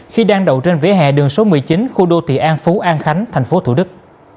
khi đang đậu trên vỉa hè đường số một mươi chín khu đô thị an phú an khánh thành phố thủ đức